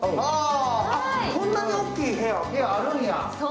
こんなにおっきい部屋、あるんや。